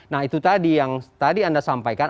nah itu tadi yang tadi anda sampaikan